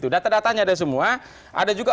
data datanya ada semua ada juga